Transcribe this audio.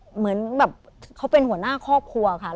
เหมือนแบบเขาเป็นหัวหน้าครอบครัวค่ะ